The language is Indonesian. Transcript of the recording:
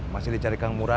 masih dicarikan murah